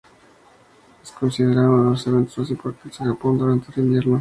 Es considerado uno de los eventos más importantes en Japón durante el invierno.